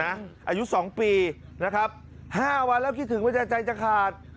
นะอายุสองปีนะครับห้าวันแล้วคิดถึงว่าใจจะขาด